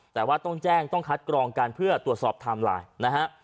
แต่ว่าต้องแจ้งต้องคัดกรองกันเพื่อตรวจสอบไทม์ไลน์นะฮะ